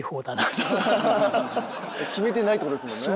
決めてないってことですもんね。